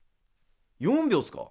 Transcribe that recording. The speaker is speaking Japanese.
４秒すか。